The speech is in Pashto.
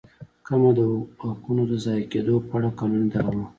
کمه د حقونو د ضایع کېدو په اړه قانوني دعوه.